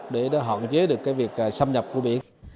để nó hoàn chế được cái việc sông biển